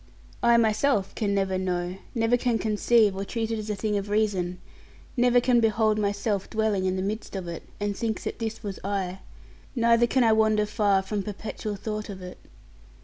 I myself can never know; never can conceive, or treat it as a thing of reason, never can behold myself dwelling in the midst of it, and think that this was I; neither can I wander far from perpetual thought of it.